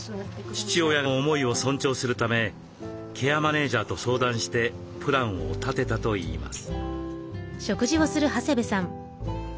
父親の思いを尊重するためケアマネージャーと相談してプランを立てたといいます。